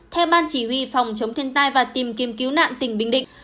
theo ban chỉ huy phòng chống thiên tai và tìm kiếm cứu nạn tỉnh bình định